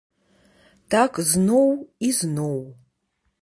Так зноў і зноў.